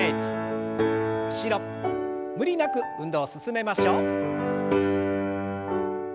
無理なく運動を進めましょう。